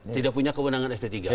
tidak punya kewenangan sp tiga